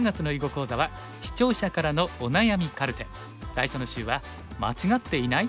最初の週は「間違っていない？